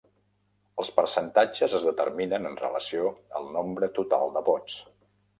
Els percentatges es determinen en relació al nombre total de vots.